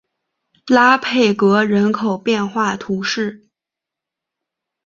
拉佩格人口变化图示